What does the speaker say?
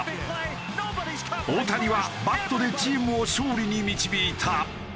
大谷はバットでチームを勝利に導いた。